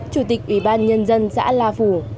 chủ tịch ủy ban nhân dân xã la phủ